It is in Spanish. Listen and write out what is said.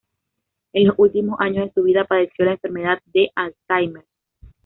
En los últimos años de su vida padeció la enfermedad de Alzheimer.